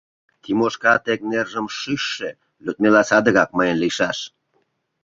Тимошка тек нержым шӱшшӧ, Людмила садыгак мыйын лийшаш!